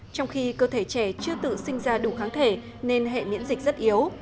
trong khi cơ thể trẻ chưa tự sinh ra đủ kháng thể nên hệ miễn dịch rất yếu